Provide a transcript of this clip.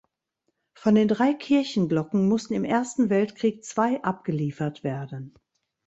Von den drei Kirchenglocken mussten im Ersten Weltkrieg zwei abgeliefert werden.